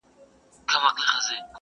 • په لږ وخت کي به د ښار سرمایه دار سم -